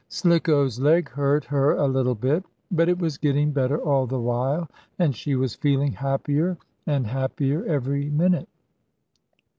Slicko's leg hurt her a little bit, but it was getting better all the while, and she was feeling happier and happier every minute.